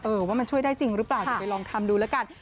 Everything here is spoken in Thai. ว่ามันช่วยได้จริงหรือเปล่าเดี๋ยวไปลองทำดูแล้วกัน